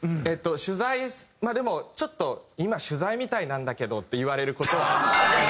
取材でもちょっと「今取材みたいなんだけど」って言われる事はあります。